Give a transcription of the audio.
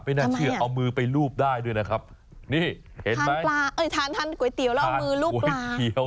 ไม่น่าเชื่อเอามือไปลูบได้ด้วยนะครับนี่เห็นไหมทานก๋วยเตี๋ยวแล้วเอามือลูบปลา